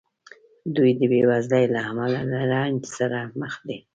دوی د بېوزلۍ له امله له رنځ سره مخ دي.